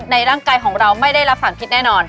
ในร่างกายของเราไม่ได้รับสารพิษแน่นอน